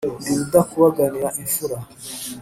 Ndi rudakubaganira imfura,